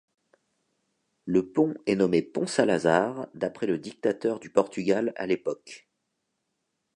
Le pont est nommé pont Salazar, d'après le dictateur du Portugal à l'époque.